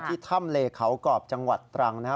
ที่ถ้ำเลเขากรอบจังหวัดตรังนะฮะ